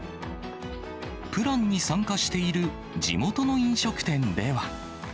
プランに参加している地元の飲食店では。